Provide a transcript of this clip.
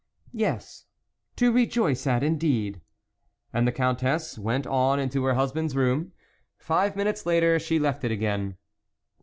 " Yes, to rejoice at indeed." And the Countess went on into her husband's room. Five minutes later she left it again.